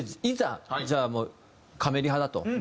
いざじゃあカメリハだと。